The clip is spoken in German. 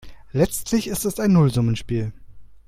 Letztlich ist es ein Nullsummenspiel.